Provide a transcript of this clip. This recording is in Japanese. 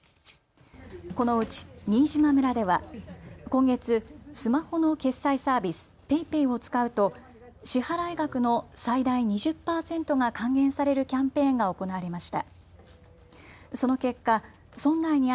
このうち新島村では今月、スマホの決済サービス、ＰａｙＰａｙを使うと支払額の最大２０％が還元されるキャンペーンが行われました。